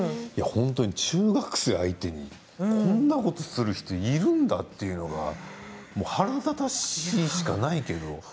中学生相手にこんなことする人いるんだと腹立たしいしかないけど。